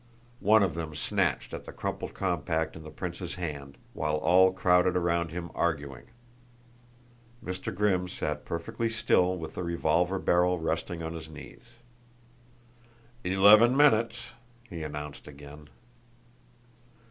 One of them snatched at the crumpled compact in the prince's hand, while all crowded around him arguing. Mr. Grimm sat perfectly still with the revolver barrel resting on his knees. "Eleven minutes!" he announced again.